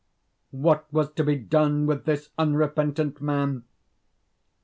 What was to be done with this unrepentant man?